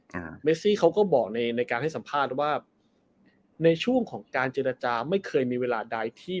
เมซี่เขาก็บอกในในการให้สัมภาษณ์ว่าในช่วงของการเจรจาไม่เคยมีเวลาใดที่